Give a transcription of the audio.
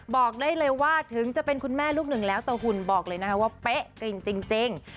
บอกได้เลยว่าถึงจะเป็นคุณแม่ลูกหนึ่งแล้วแต่หุ่นบอกเลยนะคะว่าเป๊ะจริง